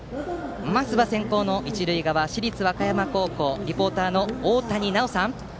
まずは先攻の一塁側、市立和歌山高校リポーターの大谷奈央さん。